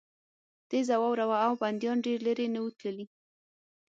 تېزه واوره وه او بندیان ډېر لېرې نه وو تللي